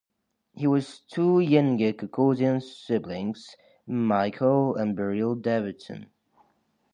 He has two younger Caucasian siblings, Michael and Beryle Davidson.